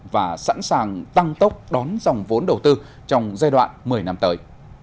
và sẵn sàng tăng tốc đón dòng vốn đầu tư trong giai đoạn một mươi năm tới